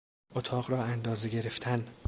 اتاق را اندازه گرفتن